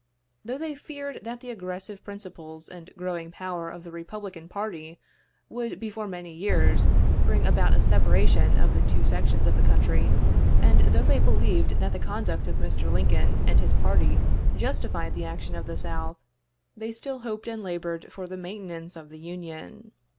Though they feared that the aggressive principles and growing power of the Republican party would, before many years, bring about a separation of the two sections of the country, and though they believed that the conduct of Mr. Lincoln and his party justified the action of the South, they still hoped and labored for the maintenance of the Union.